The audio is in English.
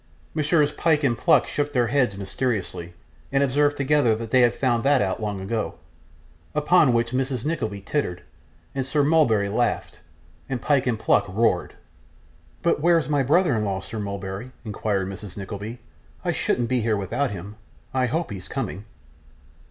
Messrs Pyke and Pluck shook their heads mysteriously, and observed together that they had found that out long ago; upon which Mrs. Nickleby tittered, and Sir Mulberry laughed, and Pyke and Pluck roared. 'But where's my brother in law, Sir Mulberry?' inquired Mrs. Nickleby. 'I shouldn't be here without him. I hope he's coming.